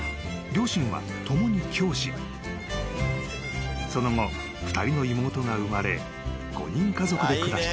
［その後２人の妹が生まれ５人家族で暮らしていた］